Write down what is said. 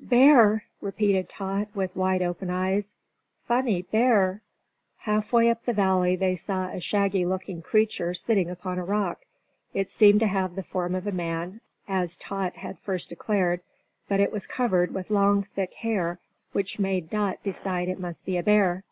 "Bear!" repeated Tot, with wide open eyes. "Funny bear!" Halfway up the valley they saw a shaggy looking creature sitting upon a rock. It seemed to have the form of a man, as Tot had first declared; but it was covered with long, thick hair, which made Dot decide it must be a bear.